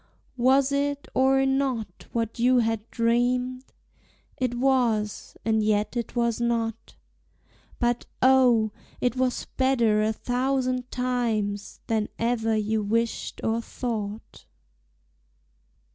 Was it or not what you had dreamed? It was, and yet it was not; But O, it was better a thousand times Than ever you wished or thought.